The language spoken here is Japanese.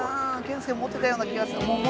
健介持ってたような気がする」